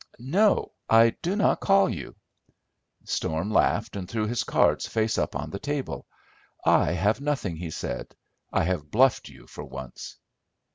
"No, I do not call you." Storm laughed and threw his cards face up on the table. "I have nothing," he said, "I have bluffed you for once."